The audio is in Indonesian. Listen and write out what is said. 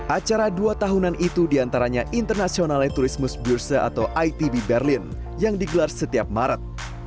acara dua tahunan itu diantaranya international touristmus bursa atau itb berlin yang digelar setiap maret